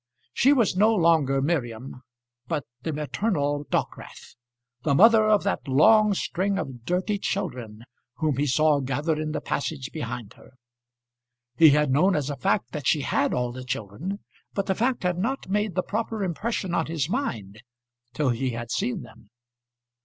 She was no longer Miriam, but the maternal Dockwrath; the mother of that long string of dirty children whom he saw gathered in the passage behind her. He had known as a fact that she had all the children, but the fact had not made the proper impression on his mind till he had seen them.